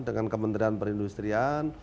dengan kementerian perindustrian